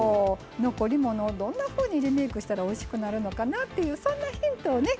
残り物をどんなふうにリメイクしたらおいしくなるのかなっていうそんなヒントをね